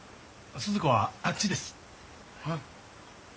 スズ子はあっちです。